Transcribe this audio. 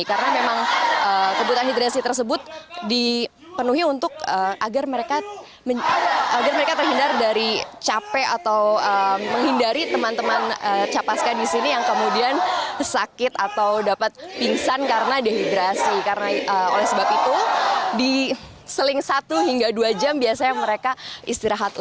karena memang kebutuhan hidrasi tersebut dipenuhi agar mereka terhindar dari capek atau menghindari teman teman capaska di sini yang kemudian sakit atau dapat pingsan karena dehidrasi